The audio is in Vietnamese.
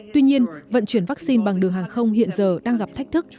tuy nhiên vận chuyển vắc xin bằng đường hàng không hiện giờ đang gặp thách thức